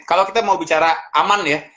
kalau kita mau bicara aman ya